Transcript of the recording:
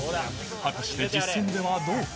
果たして、実践ではどうか。